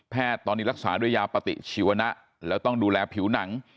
ตอนนี้รักษาด้วยยาปฏิชีวนะแล้วต้องดูแลผิวหนัง